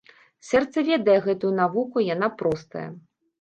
Сэрца ведае гэтую навуку, яна простая.